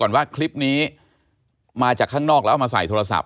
ก็ต้องไปดูก่อนว่าคลิปนี้มาจากข้างนอกแล้วมาใส่โทรศัพท์